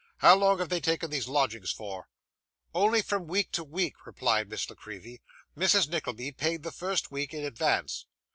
How long have they taken these lodgings for?' 'Only from week to week,' replied Miss La Creevy. 'Mrs. Nickleby paid the first week in advance.